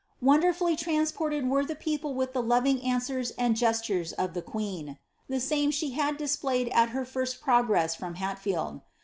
heart' Wondeifulljr trttnsported were the people with the lorii^ i» ewers and gestures of their queea ; the same she had displayed at hv first progress from Hatfield.